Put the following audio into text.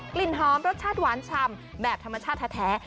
กลิ่นหอมรสชาติหวานชำแบบธรรมชาติแท้